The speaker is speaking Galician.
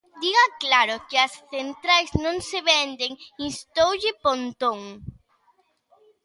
Diga claro que as centrais non se venden, instoulle Pontón.